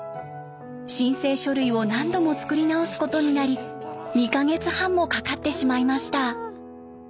申請書類を何度も作り直すことになり２か月半もかかってしまいました。